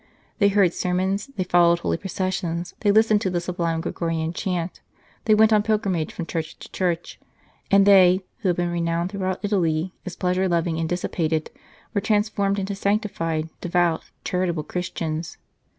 They heard sermons, they fol lowed holy processions, they listened to the sub lime Gregorian chant. They went on pilgrimages from church to church, and they who had been renowned throughout Italy as pleasure loving and dissipated were transformed into sanctified, de vout, charitable Christians.